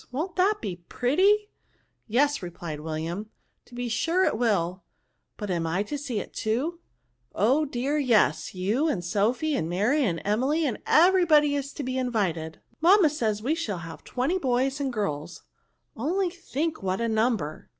"Won't that be pretty ?"" Yes," replied William, " to be sure it will ; but am I to see it too ?"Oh dear yes; you, and Sophy, and Mary, and Emily, and every body is to be invited. Mamma says, we shall be twenty boys and girls ; only think what a number